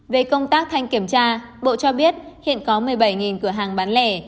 về công tác thanh kiểm tra bộ cho biết hiện có một mươi bảy cửa hàng bán lẻ